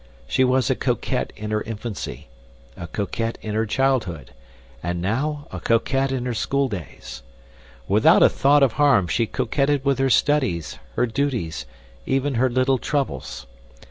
She was a coquette in her infancy, a coquette in her childhood, and now a coquette in her school days. Without a thought of harm she coquetted with her studies, her duties, even her little troubles.